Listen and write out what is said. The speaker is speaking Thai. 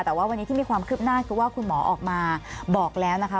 แต่ว่าวันนี้ที่มีความคืบหน้าคือว่าคุณหมอออกมาบอกแล้วนะคะ